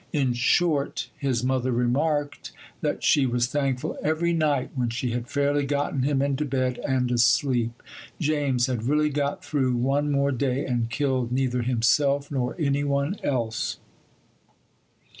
In short, his mother remarked that she was thankful every night when she had fairly gotten him into bed and asleep: James had really got through one more day and killed neither himself nor any one else.